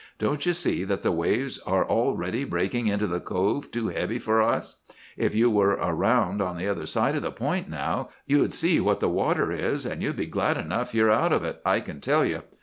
Don't you see that the waves are already breaking into the cove too heavy for us? If you were round on the other side of the point now, you'd see what the water is, and you'd be glad enough you're out of it, I can tell you!